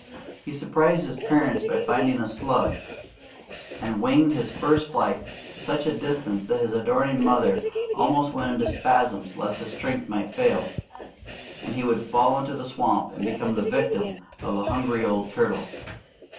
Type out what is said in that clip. He surprised his parents by finding a slug, and winged his first flight to such a distance that his adoring mother almost went into spasms lest his strength might fail, and he would fall into the swamp and become the victim of a hungry old turtle.